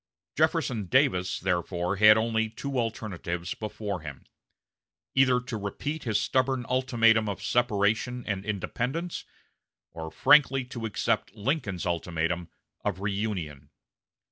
Jefferson Davis therefore had only two alternatives before him either to repeat his stubborn ultimatum of separation and independence, or frankly to accept Lincoln's ultimatum of reunion.